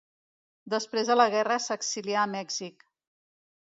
Després de la guerra, s'exilià a Mèxic.